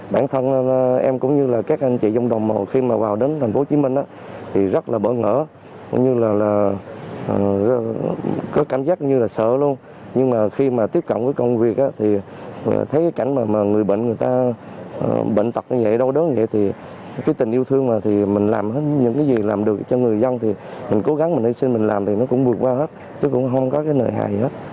bản thân em cũng như là các anh chị dòng đồng khi mà vào đến thành phố hồ chí minh thì rất là bỡ ngỡ cũng như là có cảm giác như là sợ luôn nhưng mà khi mà tiếp cận với công việc thì thấy cảnh mà người bệnh người ta bệnh tật như vậy đau đớn như vậy thì cái tình yêu thương mà thì mình làm hết những cái gì làm được cho người dân thì mình cố gắng mình hệ sinh mình làm thì nó cũng vượt qua hết chứ cũng không có cái nợ hại gì hết